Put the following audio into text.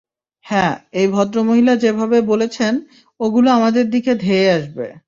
হ্যাঁ, এই ভদ্র মহিলা যেভাবে বলেছেন, ওগুলো আমাদের দিকে ধেয়ে আসবে!